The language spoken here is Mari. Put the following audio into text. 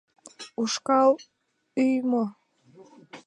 — Ушкал ӱй мо?